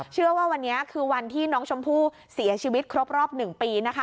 เชื่อว่าวันนี้คือวันที่น้องชมพู่เสียชีวิตครบรอบ๑ปีนะคะ